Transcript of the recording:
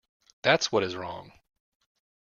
That's what is wrong.